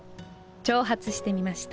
挑発してみました。